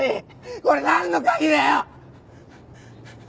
これなんの鍵だよ！？